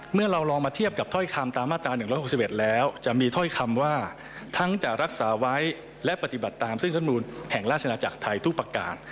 เมื่อเราลองมาเทียบกับถ้อยคำตามมาตรา๑๖๑แล้วจะมีถ้อยคำว่าทั้งจะรักษาไว้และปฏิบัติตามเส้นธรรมนูลแห่งราชนาจักรไทยทุกประกาศ